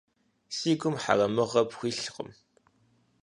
Си гум хьэрэмыгъэ пхуилъкъым.